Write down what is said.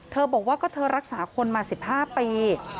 บอกว่าก็เธอรักษาคนมา๑๕ปี